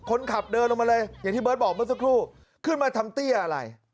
คนขับเดินลงมาเลยอย่างที่เบิร์ตบอกเมื่อสักครู่ขึ้นมาทำเตี้ยอะไร